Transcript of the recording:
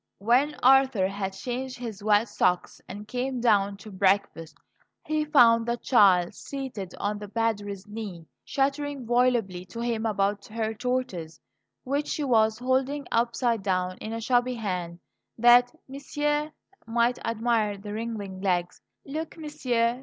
When Arthur had changed his wet socks and came down to breakfast he found the child seated on the Padre's knee, chattering volubly to him about her tortoise, which she was holding upside down in a chubby hand, that "monsieur" might admire the wriggling legs. "Look, monsieur!"